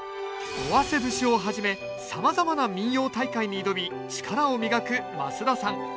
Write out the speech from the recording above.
「尾鷲節」をはじめさまざまな民謡大会に挑み力を磨く増田さん。